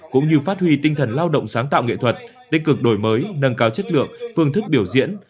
cũng như phát huy tinh thần lao động sáng tạo nghệ thuật tích cực đổi mới nâng cao chất lượng phương thức biểu diễn